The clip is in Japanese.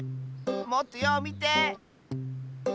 もっとようみて！